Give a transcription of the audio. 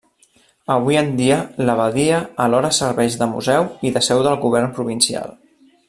Avui en dia, l'abadia alhora serveix de museu i de seu del govern provincial.